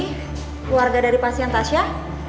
keluarga dari pasien tasya